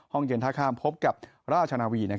ห้องเย็นท่าข้ามพบกับราชนาวี